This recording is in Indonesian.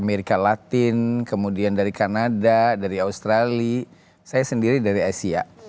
amerika latin kemudian dari kanada dari australia saya sendiri dari asia